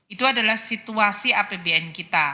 itu adalah situasi apbn kita